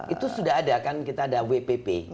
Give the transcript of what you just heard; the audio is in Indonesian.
itu sudah ada kan kita ada wpp